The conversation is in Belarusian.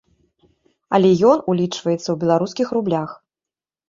Але ён улічваецца ў беларускіх рублях.